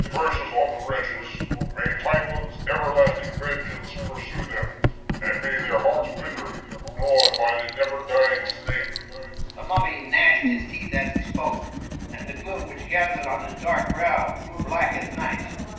Curses on the wretches !— May Typhon's ever lasting vengeance pursue thena, and may their hearts wither, gnawed by the never dying snake !*" The Mummy gnashed his teeth as he spoke, and the gloom which gathered on his dark brow grew black as night.